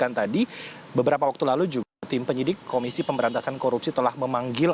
yang tadi beberapa waktu lalu juga tim penyidik komisi pemberantasan korupsi telah memanggil